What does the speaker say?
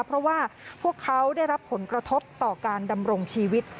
เพราะว่าพวกเขาได้รับผลกระทบต่อการดำรงชีวิต